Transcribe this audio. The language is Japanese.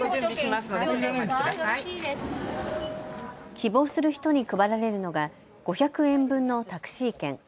希望する人に配られるのが５００円分のタクシー券。